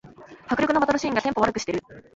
迫力のバトルシーンがテンポ悪くしてる